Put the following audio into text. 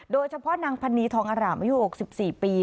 โดยเฉพาะนางพนีธองอร่ามยุค๑๔ปี